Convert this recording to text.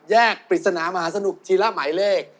ปริศนามหาสนุกทีละหมายเลข